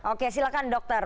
oke silakan dokter